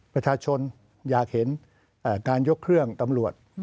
ประชาชนอยากเห็นการยกเครื่องตำรวจ